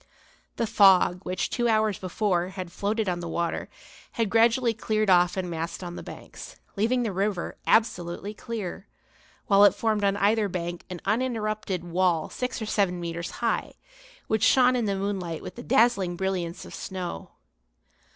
The fog which, two hours before, had floated on the water, had gradually cleared off and massed on the banks, leaving the river absolutely clear; while it formed on either bank an uninterrupted wall six or seven metres high, which shone in the moonlight with the dazzling brilliance of snow.